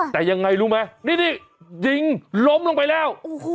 แต่อย่างน่าลุ่มลมลายแล้ว